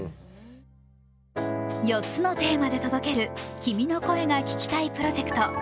４つのテーマで届ける君の声が聴きたいプロジェクト。